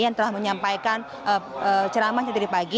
yang telah menyampaikan ceramah yang tadi pagi